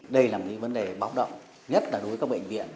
đây là một vấn đề bóng động nhất đối với các bệnh viện